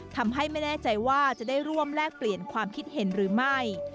ทำให้ไม่แน่ใจว่าจะได้ร่วมแลกเปลี่ยนความคิดเห็นหรือไม่